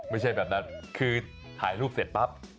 ไม่ใช่แบบนั้นคือถ่ายรูปเสร็จปั๊บ